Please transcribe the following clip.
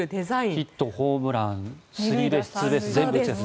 ヒット、ホームランスリーベース、ツーベース全部打つやつですね。